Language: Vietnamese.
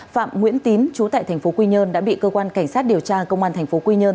phạm nguyễn tín trú tại tp quy nhơn đã bị cơ quan cảnh sát điều tra công an tp quy nhơn